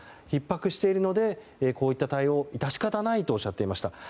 ひっ迫しているのでこういった対応は致し方ないとおっしゃっていました。